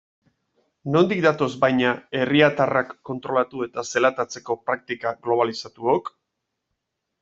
Nondik datoz baina herriatarrak kontrolatu eta zelatatzeko praktika globalizatuok?